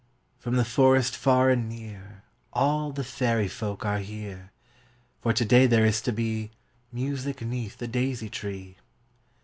From the forest far and near All the fairy folk are here, For to day there is to be Music âneath the daisy tree.